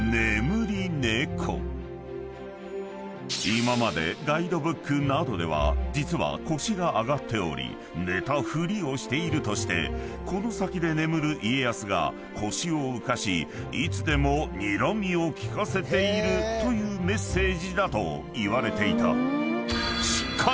［今までガイドブックなどでは実は腰が上がっており寝たふりをしているとしてこの先で眠る家康が腰を浮かしいつでもにらみを利かせているというメッセージだといわれていた］